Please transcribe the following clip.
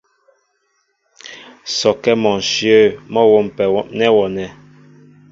Sɔkɛ́ mɔ ǹshyə̂ mɔ́ a wômpɛ nɛ́ wɔ nɛ̂.